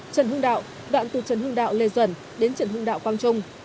trần hưng đạo đoạn từ trần hưng đạo lê duẩn đến trần hưng đạo quang trung